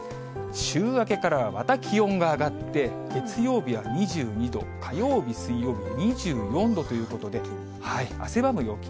週明けからは、また気温が上がって、月曜日は２２度、火曜日、水曜日、２４度ということで、汗ばむ陽気。